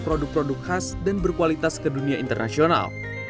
produk produk khas dan berkualitas ke dunia internasional